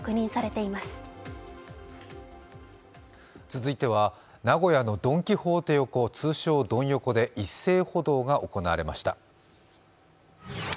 続いては、名古屋のドン・キホーテ横、通称・ドン横で一斉補導が行われました。